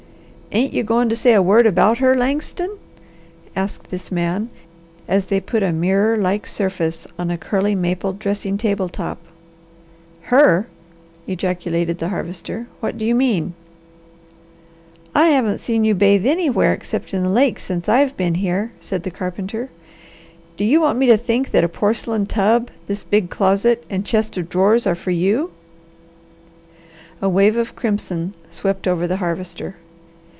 "Ain't you going to say a word about her, Langston?" asked this man as they put a mirror like surface on a curly maple dressing table top. "Her!" ejaculated the Harvester. "What do you mean?" "I haven't seen you bathe anywhere except in the lake since I have been here," said the carpenter. "Do you want me to think that a porcelain tub, this big closet, and chest of drawers are for you?" A wave of crimson swept over the Harvester.